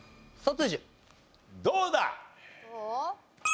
どうだ？